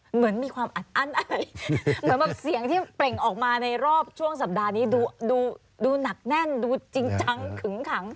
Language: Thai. เหมือนมีความอัดอั้นอะไรเหมือนแบบเสียงที่เปล่งออกมาในรอบช่วงสัปดาห์นี้ดูหนักแน่นดูจริงจังขึงขัง